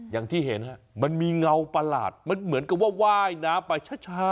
อย่างที่เห็นมันมีเงาประหลาดมันเหมือนกับว่าว่ายน้ำไปช้า